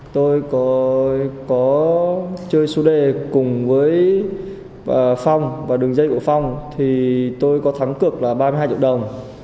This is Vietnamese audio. tôi có chơi số đề cùng với phong và đường dây của phong tôi có thắng cực là ba mươi hai triệu đồng